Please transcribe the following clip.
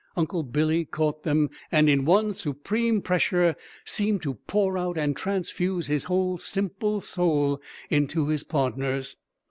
Uncle Billy caught them, and in one supreme pressure seemed to pour out and transfuse his whole simple soul into his partner's.